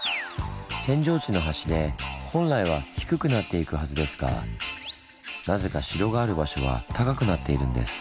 扇状地の端で本来は低くなっていくはずですがなぜか城がある場所は高くなっているんです。